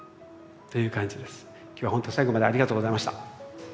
今日は本当に最後までありがとうございました。